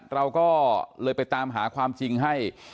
เราก็เลยไปตามหาความจริงให้